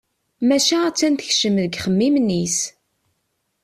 Maca a-tt-an tekcem deg yixemmimen-is.